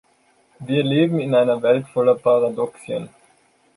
Wir leben in einer Welt voller Paradoxien.